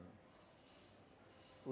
saya juga yakin bahwa poso itu adalah daerah aman